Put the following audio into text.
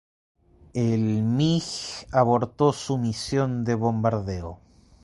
El MiG abortó su misión de bombardeo.